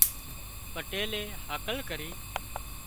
پٽيلئي هاڪل ڪرِي